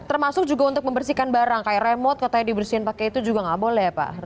termasuk juga untuk membersihkan barang kayak remote katanya dibersihin pakai itu juga nggak boleh ya pak